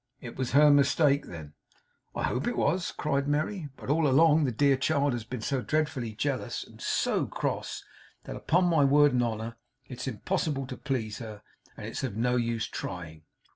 'It was her mistake, then?' 'I hope it was,' cried Merry; 'but, all along, the dear child has been so dreadfully jealous, and SO cross, that, upon my word and honour, it's impossible to please her, and it's of no use trying.